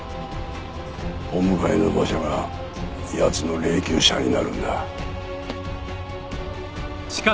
お迎えの馬車が奴の霊柩車になるんだ。